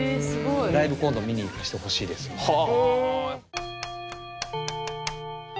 ライブ今度見に行かしてほしいですみたいな。